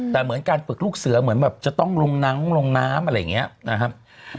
แต่เหมือนการฝึกลูกเสือเหมือนแบบจะต้องลงนังลงน้ำอะไรอย่างนี้นะครับ